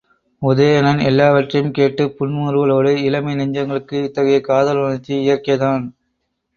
உதயணன் எல்லாவற்றையும் கேட்டுப் புன்முறுவலோடு இளமை நெஞ்சங்களுக்கு இத்தகைய காதலுணர்ச்சி இயற்கைதான்!